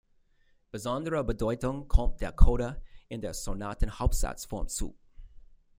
Besondere Bedeutung kommt der Coda in der Sonatenhauptsatzform zu.